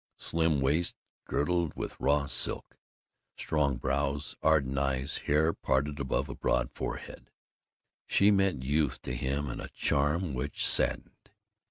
Slim waist girdled with raw silk, strong brows, ardent eyes, hair parted above a broad forehead she meant youth to him and a charm which saddened.